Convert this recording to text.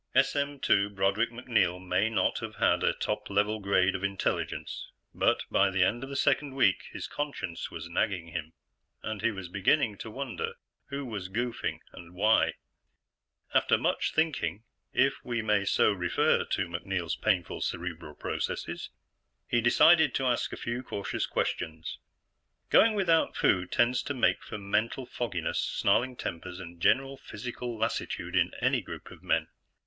SM/2 Broderick MacNeil may not have had a top level grade of intelligence, but by the end of the second week, his conscience was nagging him, and he was beginning to wonder who was goofing and why. After much thinking if we may so refer to MacNeil's painful cerebral processes he decided to ask a few cautious questions. Going without food tends to make for mental fogginess, snarling tempers, and general physical lassitude in any group of men.